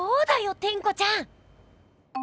テンコちゃん！